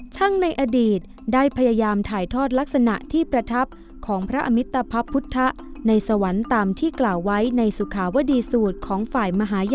ในอดีตได้พยายามถ่ายทอดลักษณะที่ประทับของพระอมิตภัณพุทธในสวรรค์ตามที่กล่าวไว้ในสุขาวดีสูตรของฝ่ายมหาย